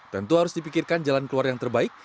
tentu harus dipikirkan jalan keluar yang terbaik